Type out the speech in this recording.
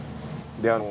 であの。